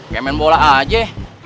kayak main bola aja